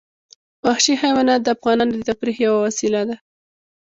وحشي حیوانات د افغانانو د تفریح یوه وسیله ده.